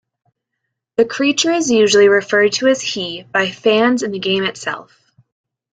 The creature is usually referred to as "he" by fans and the game itself.